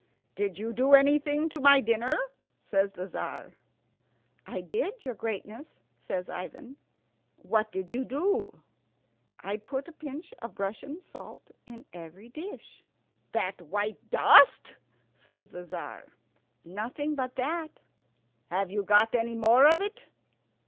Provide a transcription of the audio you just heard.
"Did you do anything to my dinner?" says the Tzar. "I did, your greatness," says Ivan. "What did you do?" "I put a pinch of Russian salt in every dish." "That white dust?" says the Tzar. "Nothing but that." "Have you got any more of it?"